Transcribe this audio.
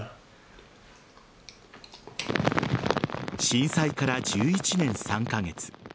震災から１１年３カ月。